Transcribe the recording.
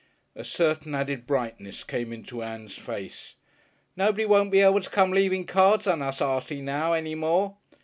A certain added brightness came into Ann's face. "Nobody won't be able to come leaving cards on us, Artie, now, any more.